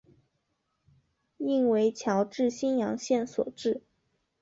应为侨置新阳县所置。